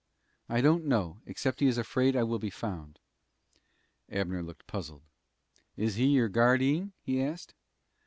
"I don't know, except he is afraid I will be found." Abner looked puzzled. "Is he your guardeen?" he asked.